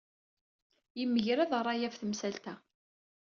Yemgerrad ṛṛay ɣef temsalt-a.